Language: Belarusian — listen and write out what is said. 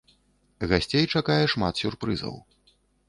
Гасцей чакае шмат сюрпрызаў.